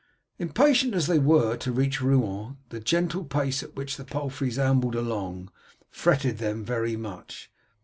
Impatient as they were to reach Rouen, the gentle pace at which the palfreys ambled along fretted them very much.